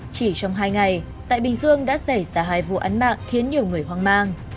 chỉ trong hai ngày tại bình dương đã xảy ra hai vụ án mạng khiến nhiều người hoang mang